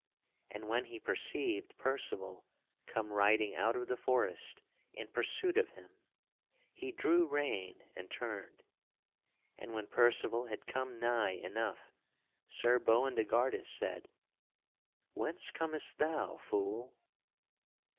And when he perceived Percival come riding out of the forest in pursuit of him, he drew rein and turned. And when Percival had come nigh enough Sir Boindegardus said, "Whence comest thou, fool?"